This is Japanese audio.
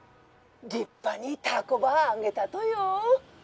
☎立派に凧ばあげたとよ。